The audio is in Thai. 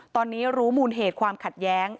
ตอนนี้รู้มูลเหตุความขัดแย้ง